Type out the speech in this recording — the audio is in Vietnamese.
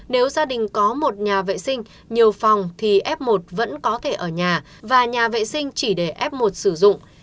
nếu gia đình có một nhà vệ sinh nhiều phòng thì f một vẫn có thể ở nhà và nhà vệ sinh chỉ để f một sử dụng